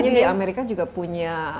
makanya di amerika juga punya